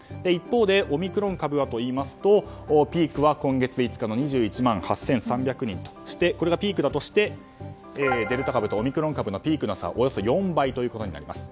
一方でオミクロン株はというとピークは今月５日の２１万８３２０人としてこれがピークだとしてデルタ株とオミクロン株のピーク差はおよそ４倍です。